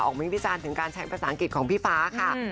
มิ้นวิจารณ์ถึงการใช้ภาษาอังกฤษของพี่ฟ้าค่ะ